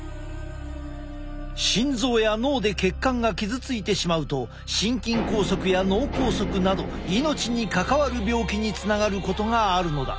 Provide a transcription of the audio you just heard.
心臓や脳で血管が傷ついてしまうと心筋梗塞や脳梗塞など命に関わる病気につながることがあるのだ。